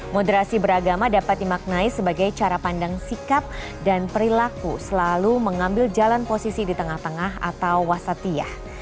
moderasi beragama dapat dimaknai sebagai cara pandang sikap dan perilaku selalu mengambil jalan posisi di tengah tengah atau wasatiyah